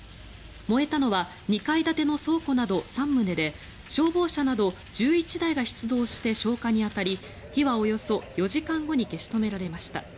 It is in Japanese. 燃えたのは２階建ての倉庫など３棟で消防車など１１台が出動して消火に当たり火はおよそ４時間後に消し止められました。